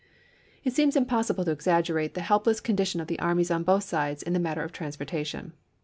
It seems impossible to exaggerate the helpless condition of the armies on both sides in the matter of transportation.